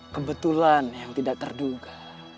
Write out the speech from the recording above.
kebetulan yang tidak terduga